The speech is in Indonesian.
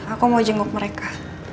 aku mau jenguk mereka